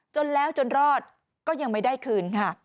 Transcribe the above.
จนแล้วจนรอดก็ยังไม่ได้คืนค่ะ